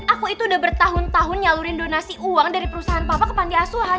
aku itu udah bertahun tahun nyalurin donasi uang dari perusahaan papa ke panti asuhan